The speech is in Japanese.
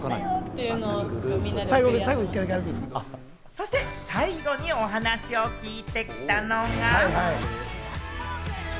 そして最後にお話を聞いてきたのが。